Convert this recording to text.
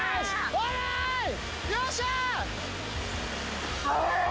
オーライよっしゃ！